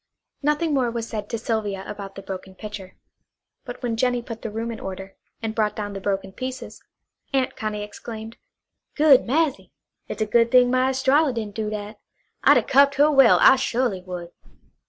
Nothing more was said to Sylvia about the broken pitcher; but when Jennie put the room in order, and brought down the broken pieces, Aunt Connie exclaimed: "Good massy! It's a good thing my Estralla didn't do that! I'd 'a' cuffed her well, I su'ly would."